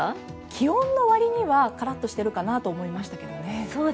気温のわりにはカラッとしてるかなと思いましたけどね。